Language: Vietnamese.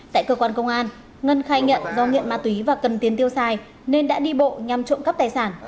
tại cơ quan công an ngân khai nhận do nghiện ma túy và cần tiến tiêu sai nên đã đi bộ nhằm trộm cắp tài sản